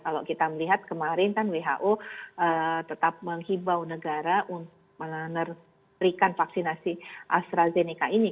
kalau kita melihat kemarin kan who tetap menghibau negara untuk memberikan vaksinasi astrazeneca ini